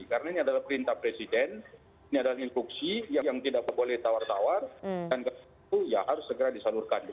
karena ini adalah perintah presiden ini adalah instruksi yang tidak boleh tawar tawar dan itu harus segera disalurkan